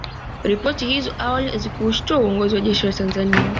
Ripoti hizo awali hazikuushtua uongozi wa jeshi la Tanzania